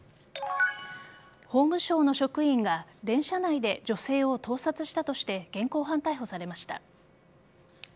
法務省の職員が電車内で女性を盗撮したとして現行犯逮捕されました。